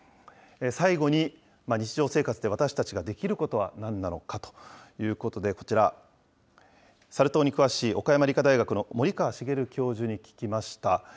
最後に、日常生活で私たちができることはなんなのかということで、こちら、サル痘に詳しい岡山理科大学の森川茂教授に聞きました。